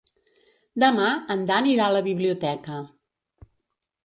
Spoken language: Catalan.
Demà en Dan irà a la biblioteca.